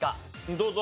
どうぞ。